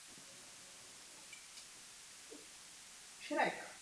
Na plavbu se vydal syn Erika Rudého Leif Eriksson.